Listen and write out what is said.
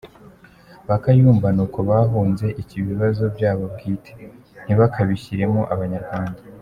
ba kayumba ni uko bahunze ibibazo byabo bwite, ntibakabishyiremo Abanyarwnda.